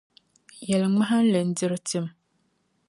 Yɛli ŋmahinli n-diri tim.